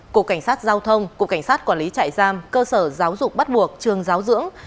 cục cảnh sát giao thông cục cảnh sát quản lý trại giam cơ sở giáo dục bắt buộc trường giáo dưỡng